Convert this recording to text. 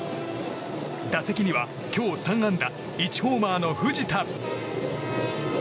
打席には今日３安打１ホーマーの藤田。